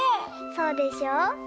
そうでしょ。